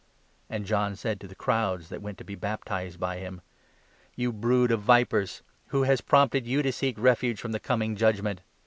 ' 6 And John said to the crowds that went to be baptized by 7 him :" You brood of vipers ! who has prompted you to seek refuge from the coming judgement